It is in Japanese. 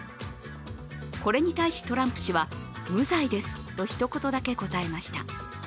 これに対し、トランプ氏は無罪ですと、一言だけ答えました。